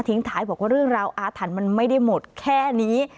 ท้ายบอกว่าเรื่องราวอาถรรพ์มันไม่ได้หมดแค่นี้